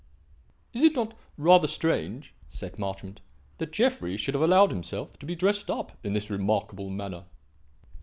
"Is it not rather strange," said Marchmont, "that Jeffrey should have allowed himself to be dressed up in this remarkable manner?"